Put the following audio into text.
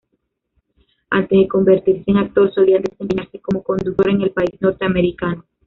Antes de convertirse en actor, solía desempeñarse como conductor en el país norteamericano.